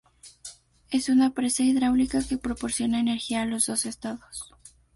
Es una presa hidráulica que proporciona energía a los dos estados.